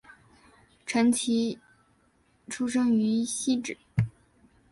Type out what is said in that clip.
陈植棋出生于汐止